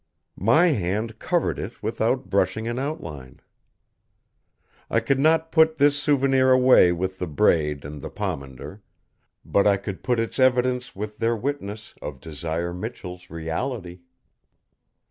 My hand covered it without brushing an outline. I could not put this souvenir away with the braid and the pomander. But I could put its evidence with their witness of Desire Michell's reality.